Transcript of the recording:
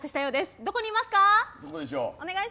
どこにいますか？